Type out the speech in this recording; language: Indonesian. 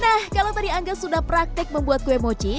nah kalau tadi angga sudah praktik membuat kue mochi